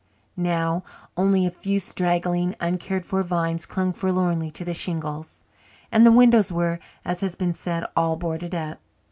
Now only a few straggling, uncared for vines clung forlornly to the shingles, and the windows were, as has been said, all boarded up.